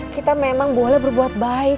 kita memang boleh berbuat baik